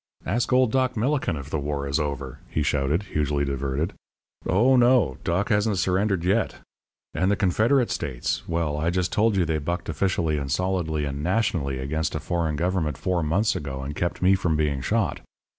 "Ask old Doc Millikin if the war is over!" he shouted, hugely diverted. "Oh, no! Doc hasn't surrendered yet. And the Confederate States! Well, I just told you they bucked officially and solidly and nationally against a foreign government four months ago and kept me from being shot.